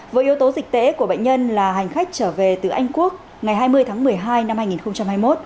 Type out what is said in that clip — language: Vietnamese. với yếu tố dịch tễ của bệnh nhân là hành khách trở về từ anh quốc ngày hai mươi tháng một mươi hai năm hai nghìn hai mươi một